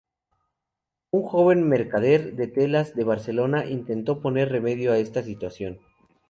Un joven mercader de telas de Barcelona intentó poner remedio a esta situación.